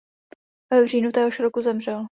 V říjnu téhož roku zemřel.